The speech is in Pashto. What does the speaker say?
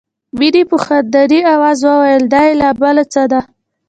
مينې په خندني آواز وویل دا یې لا بله څه ده